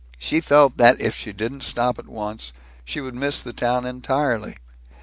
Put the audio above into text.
She felt that if she didn't stop at once, she would miss the town entirely.